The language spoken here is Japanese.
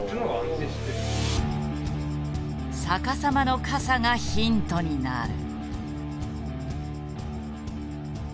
逆さまの傘がヒントになる。